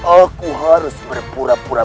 aku harus berpura pura